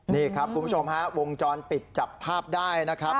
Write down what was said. นี่ครับคุณผู้ชมฮะวงจรปิดจับภาพได้นะครับ